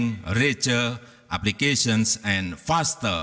mencapai aplikasi yang lebih besar